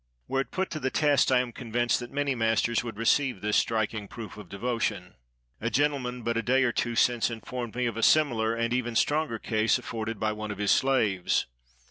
Were it put to the test, I am convinced that many masters would receive this striking proof of devotion. A gentleman but a day or two since informed me of a similar, and even stronger case, afforded by one of his slaves.